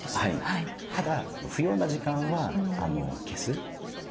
ただ不要な時間は消す。